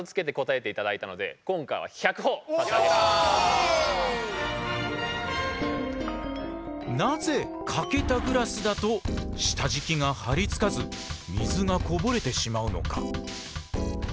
イエイ！なぜ欠けたグラスだと下じきが張りつかず水がこぼれてしまうのか。